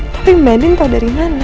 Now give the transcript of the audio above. tapi mbak adin tau dari mana